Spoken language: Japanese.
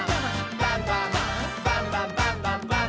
バンバン」「バンバンバンバンバンバン！」